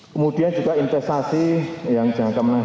kemudian juga investasi yang jangka menengah